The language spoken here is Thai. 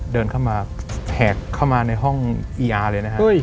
เดินเข้ามาแหกเข้ามาในห้องอีอาร์เลยนะฮะ